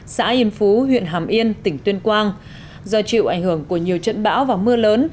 xã yên phú huyện hàm yên tỉnh tuyên quang do chịu ảnh hưởng của nhiều trận bão và mưa lớn